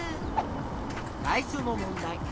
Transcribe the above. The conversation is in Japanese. さいしょのもんだい。